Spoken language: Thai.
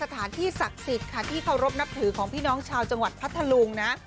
ที่เคารพนับถือของพี่น้องชาวจังหวัดพัทธลุงนะ